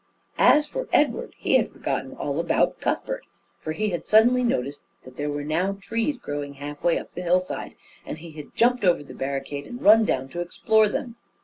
As for Edward, he had forgotten all about Cuthbert. For he had suddenly noticed that there were now trees growing half way up the hillside, and he had jumped over the barricade and run down to explore them.